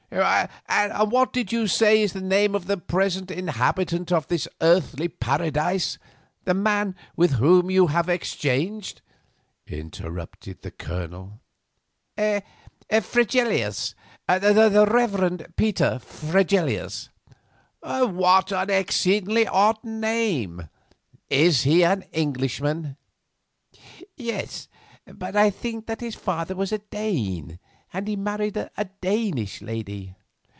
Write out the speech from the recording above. "And what did you say is the name of the present inhabitant of this earthly paradise, the man with whom you have exchanged?" interrupted the Colonel. "Fregelius—the Reverend Peter Fregelius." "What an exceedingly odd name! Is he an Englishman?" "Yes; but I think that his father was a Dane, and he married a Danish lady."